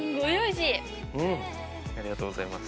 ありがとうございます。